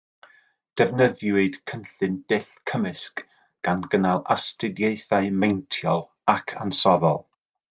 Defnyddiwyd cynllun dull cymysg gan gynnal astudiaethau meintiol ac ansoddol